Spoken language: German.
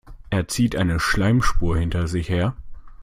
Er zieht eine Schleimspur hinter sich her.